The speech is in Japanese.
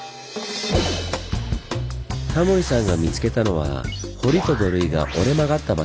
タモリさんが見つけたのは堀と土塁が折れ曲がった場所。